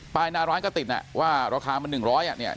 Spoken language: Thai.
ปลายหน้าร้านก็ติดว่าราคามัน๑๐๐บาท